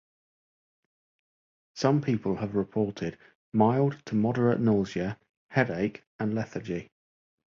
Some people have reported mild to moderate nausea, headache, and lethargy.